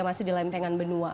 masih di lempengan benua